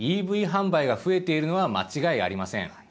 ＥＶ販売が増えているのは間違いありません。